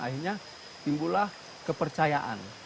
akhirnya timbulah kepercayaan